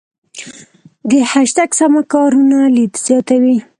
د هشتګ سمه کارونه لید زیاتوي.